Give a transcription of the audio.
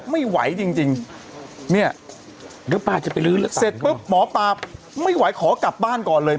ไม่ไหวจริงจริงเนี่ยเดี๋ยวป้าจะไปลื้อเสร็จปุ๊บหมอปลาไม่ไหวขอกลับบ้านก่อนเลย